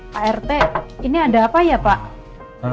pak rt ini ada apa ya pak